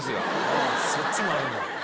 そっちもあるんだ。